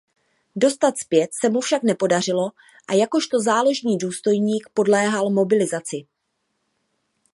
Dostat zpět se mu však nepodařilo a jakožto záložní důstojník podléhal mobilizaci.